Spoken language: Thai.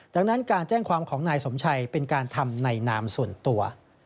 ดังนั้นการแจ้งความของนายสมชัยเป็นการทำในนามส่วนตัว